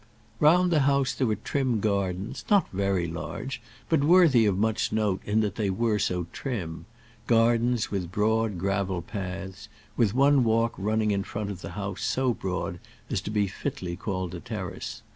Round the house there were trim gardens, not very large, but worthy of much note in that they were so trim, gardens with broad gravel paths, with one walk running in front of the house so broad as to be fitly called a terrace.